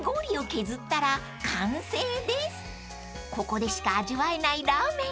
［ここでしか味わえないラーメン］